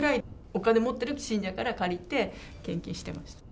お金持ってる信者から借りて、献金してました。